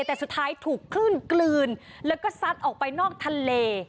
แต่สุดท้ายถูกคลื่นกลืนแล้วก็ซัดออกไปนอกทะเล